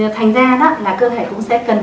thành ra đó là cơ thể cũng sẽ cần